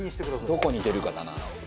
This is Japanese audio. どこに出るかだな。